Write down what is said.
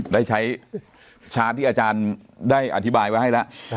ได้ใช้ชาร์จที่อาจารย์ได้อธิบายไว้ให้แล้ว